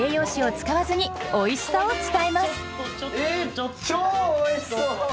超おいしそう！